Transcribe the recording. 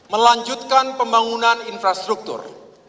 melanjutkan pembangunan infrastruktur